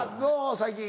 最近。